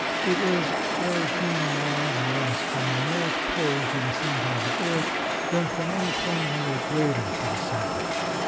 It is thirteen miles less from the north pole to the center of the earth than from any point on the equator to the center.